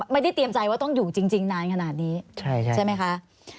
ไม่ได้เตรียมใจว่าต้องอยู่จริงจริงนานขนาดนี้ใช่ใช่ใช่ไหมคะ